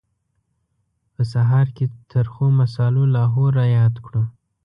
په سهار کې ترخو مسالو لاهور را یاد کړو.